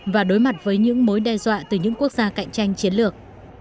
và đối mặt với những mối đe dọa từ những quốc gia cạnh tranh chiến lược